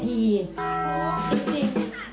จริง